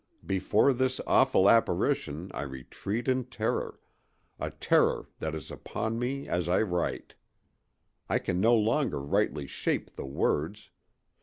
Before this awful apparition I retreat in terror—a terror that is upon me as I write. I can no longer rightly shape the words.